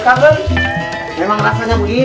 kapan sih kamu terkain sekat gini